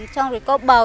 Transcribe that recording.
xong rồi có bầu